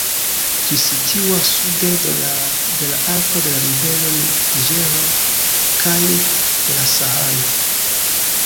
Ĝi situas sude de la arko de la rivero Niĝero kaj de la Saharo.